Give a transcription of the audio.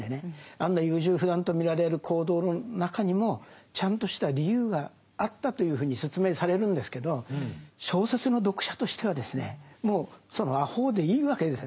あんな優柔不断と見られる行動の中にもちゃんとした理由があったというふうに説明されるんですけど小説の読者としてはですねもうそのあほうでいいわけですよね。